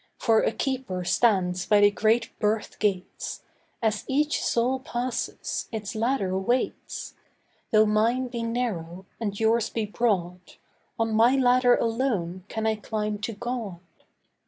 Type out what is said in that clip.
For a keeper stands by the great birth gates; As each soul passes, its ladder waits. Though mine be narrow, and yours be broad, On my ladder alone can I climb to God.